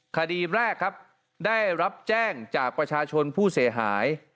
คดีแรกครับได้รับแจ้งจากประชาชนผู้เสียหาย